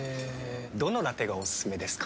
どのラテがおすすめですか？